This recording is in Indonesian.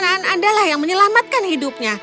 kebijaksanaan andalah yang menyelamatkan hidupnya